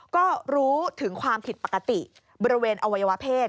ก็รู้ถึงความผิดปกติบริเวณอวัยวะเพศ